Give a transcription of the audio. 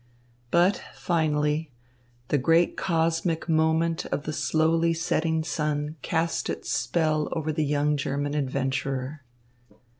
But, finally, the great cosmic moment of the slowly setting sun cast its spell over the young German adventurer.